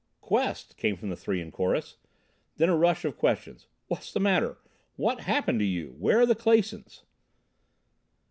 "Quest," came from the three in chorus. Then a rush of questions: "What's the matter? What's happened to you? Where are the Clasons?"